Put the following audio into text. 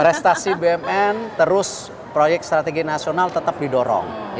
restasi bmn terus proyek strategi nasional tetap didorong